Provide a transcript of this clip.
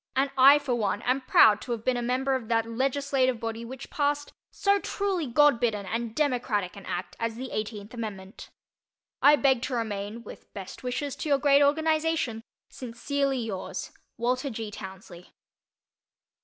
And I, for one, am proud to have been a member of that legislative body which passed so truly God bidden and democratic an act as the Eighteenth Amendment. I beg to remain, with best wishes to your great organization, Sincerely yours, WALTER G. TOWNSLEY.